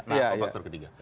nah apa faktor ketiga